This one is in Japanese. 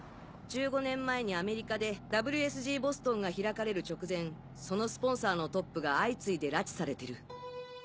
１５年前にアメリカでＷＳＧボストンが開かれる直前そのスポンサーのトップが相次いで拉致されてる。